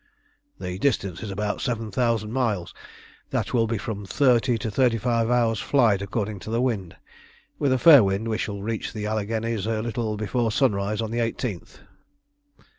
"The distance is about seven thousand miles. That will be from thirty to thirty five hours' flight according to the wind. With a fair wind we shall reach the Alleghanies a little before sunrise on the 18th."